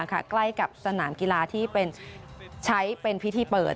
ใกล้กับสนามกีฬาที่ใช้เป็นพิธีเปิด